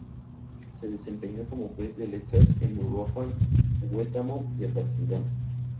Se desempeñó como juez de Letras en Uruapan, Huetamo y Apatzingán.